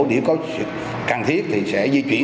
để có sự cần thiết thì sẽ di chuyển